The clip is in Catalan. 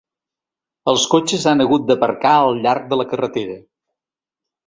Els cotxes han hagut d’aparcar al llarg de la carretera!